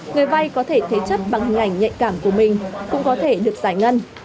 người vay có thể thế chấp bằng hình ảnh nhạy cảm của mình cũng có thể được giải ngân